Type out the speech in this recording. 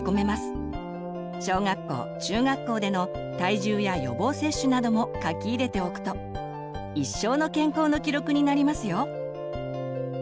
小学校中学校での体重や予防接種なども書き入れておくと一生の健康の記録になりますよ。